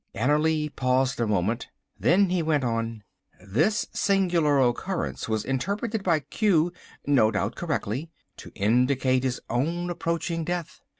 Annerly paused a moment. Then he went on: "This singular occurrence was interpreted by Q, no doubt correctly, to indicate his own approaching death.